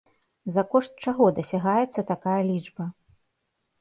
За кошт чаго дасягаецца такая лічба?